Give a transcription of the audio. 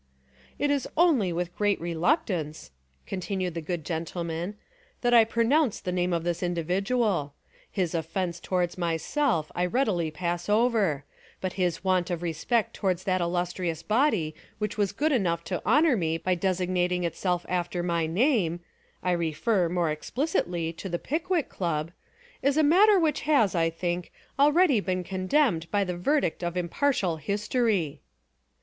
"It Is only with great reluctance," continued the good gentleman, "that I pronounce the name of this individual. His offence towards myself I readily pass over: but his want of re spect towards that Illustrious body which was good enough to honour me by designating it self after my name (I refer, more explicitly, to the Pickwick Club) Is a matter which has, I think, already been condemned by the ver dict of impartial history."